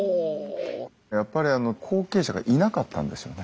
やっぱり後継者がいなかったんですよね。